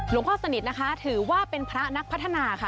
พ่อสนิทนะคะถือว่าเป็นพระนักพัฒนาค่ะ